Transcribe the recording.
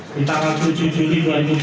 di tahun tujuh juli dua ribu dua puluh dua